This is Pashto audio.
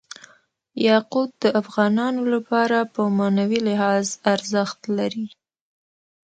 یاقوت د افغانانو لپاره په معنوي لحاظ ارزښت لري.